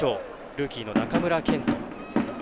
ルーキーの中村健人。